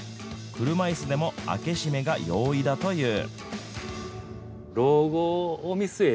車いすでも開け閉めが容易だという。